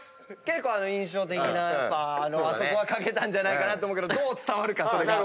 結構印象的なあそこは描けたんじゃないかと思うけどどう伝わるかそれが。